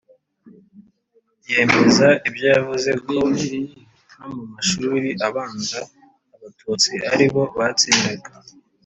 yemeza ibyo Yavuze ko no mu mashuri abanza Abatutsi ari bo batsindaga